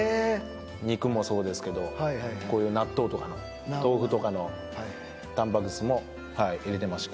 肉もそうですけどこういう納豆とか豆腐とかのタンパク質も入れてます